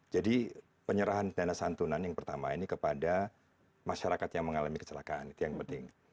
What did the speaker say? jadi penyerahan dana santunan yang pertama ini kepada masyarakat yang mengalami kecelakaan itu yang penting